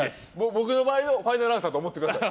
僕の場合はファイナルアンサーと思ってください。